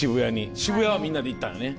渋谷はみんなで行ったんやね？